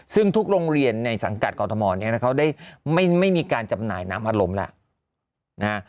ซึ่งทุกโรงเรียนในสังกัดกรทมเขาได้ไม่มีการจำหน่ายน้ำอารมณ์แล้วนะฮะ